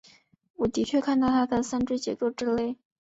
我的确看到它的三维结构之类。